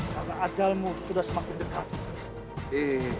karena ajalmu sudah semakin dekat